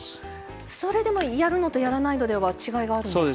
それでもやるのとやらないのでは違いがあるんですか？